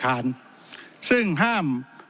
ซึ่งห้าม